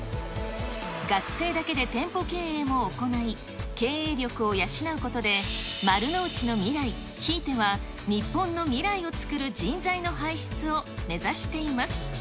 学生だけで店舗経営も行い、経営力を養うことで、丸の内の未来、ひいては日本の未来をつくる人材の輩出を目指しています。